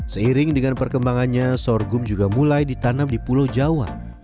seiring dengan perkembangannya sorghum juga mulai ditanam di pulau jawa